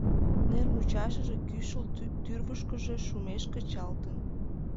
Нер мучашыже кӱшыл тӱрвышкыжӧ шумеш кечалтын.